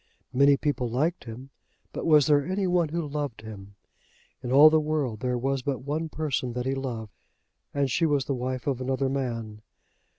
Many people liked him, but was there any one who loved him? In all the world there was but one person that he loved, and she was the wife of another man.